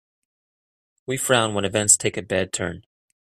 We frown when events take a bad turn.